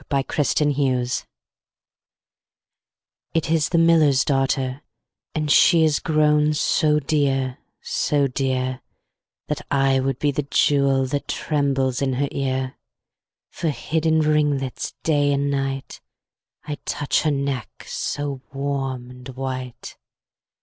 The Miller's Daughter IT is the miller's daughter, And she is grown so dear, so dear, That I would be the jewel That trembles in her ear: For hid in ringlets day and night, 5 I'd touch her neck so warm and white.